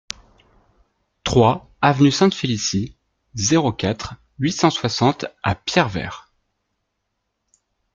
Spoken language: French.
trois avenue Sainte-Félicie, zéro quatre, huit cent soixante à Pierrevert